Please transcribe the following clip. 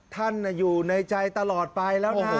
ท่านอยู่ในใจตลอดไปแล้วนะ